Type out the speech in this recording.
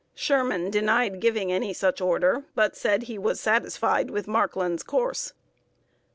Sherman denied giving any such order, but said he was satisfied with Markland's course.